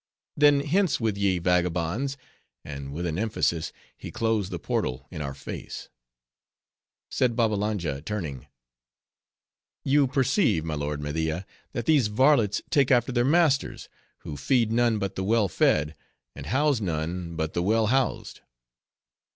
"Then hence with ye, vagabonds!" and with an emphasis, he closed the portal in our face. Said Babbalanja, turning, "You perceive, my lord Media, that these varlets take after their masters; who feed none but the well fed, and house none but the well housed."